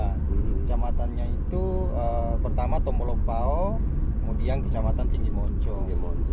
kecamatannya itu pertama tomolopao kemudian kecamatan tinggi moncong